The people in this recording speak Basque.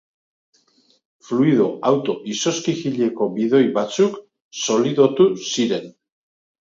Fluido auto-izozkigileko bidoi batzuk solidotu ziren.